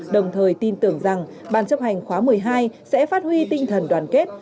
đồng thời tin tưởng rằng ban chấp hành khóa một mươi hai sẽ phát huy tinh thần đoàn kết